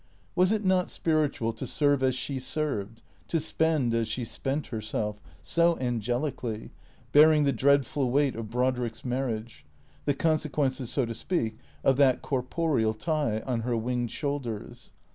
Was it not spiritual to serve as she served, to spend as she spent her self, so angelically, bearing the dreadful weight of Brodrick's marriage — the consequences, so to speak, of that corporeal tie — on her winged shoulders?